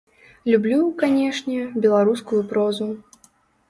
Люблю, канечне, беларускую прозу.